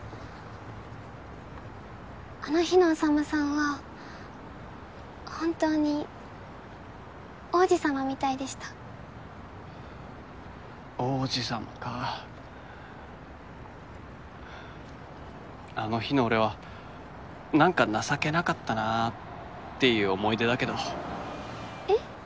あの日の宰さんは本当に王子様みたいでした王子様かああの日の俺は何か情けなかったなあっていう思い出だけどえっ？